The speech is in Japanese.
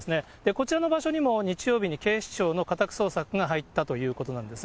こちらの場所にも日曜日に警視庁の家宅捜索が入ったということなんです。